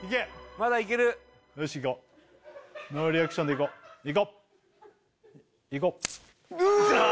まだいけるよしいこうノーリアクションでいこういこう！